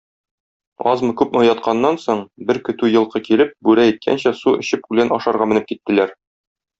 Азмы-күпме ятканнан соң, бер көтү елкы килеп, бүре әйткәнчә су эчеп үлән ашарга менеп киттеләр.